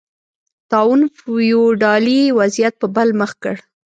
طاعون فیوډالي وضعیت په بل مخ کړ